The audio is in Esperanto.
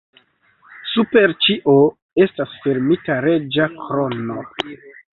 Super ĉio estas fermita reĝa krono.